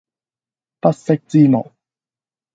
不識之無